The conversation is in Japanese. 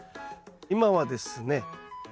今はですね